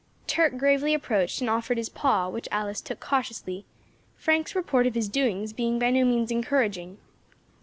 Turk gravely approached and offered his paw, which Alice took cautiously, Frank's report of his doings being by no means encouraging.